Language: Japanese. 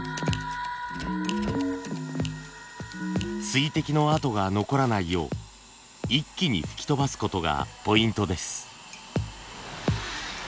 水滴の跡が残らないよう一気に吹き飛ばすことがポイントです。